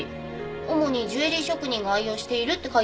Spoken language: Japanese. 主にジュエリー職人が愛用しているって書いてあります。